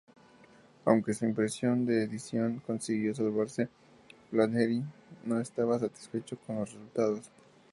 Aunque su impresión de edición consiguió salvarse, Flaherty no estaba satisfecho con los resultados.